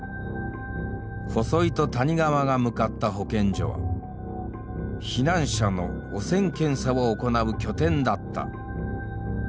細井と谷川が向かった保健所は避難者の汚染検査を行う拠点だった。